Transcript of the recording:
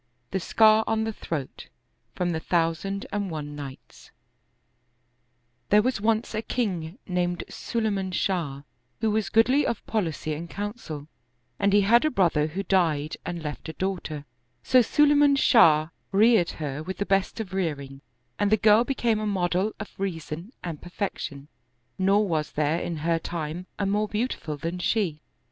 TAe Scar on the Throat From the Arabic 'pHERE was once a king named Sulayman Shah, who was goodly of policy and counsel, and he had a brother who died and left a daughter ; so Sulayman Shah reared her with the best of rearing and the girl became a model of rea son and perfection, nor was there in her time a more beau tiful than she.